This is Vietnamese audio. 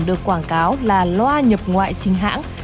được quảng cáo là loa nhập ngoại chính hãng